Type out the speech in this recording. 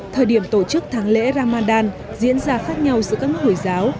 thời điểm tổ chức tháng lễ ramadan diễn ra khác nhau giữa các nước hồi giáo